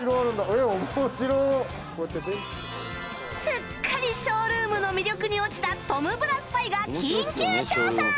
すっかりショールームの魅力に落ちたトムブラスパイが緊急調査！